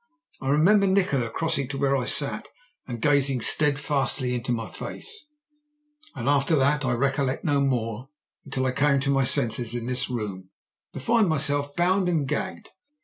I remember Nikola crossing to where I sat and gazing steadfastly into my face, and after that I recollect no more until I came to my senses in this room, to find myself bound and gagged.